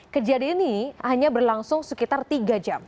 kejadian ini hanya berlangsung sekitar tiga jam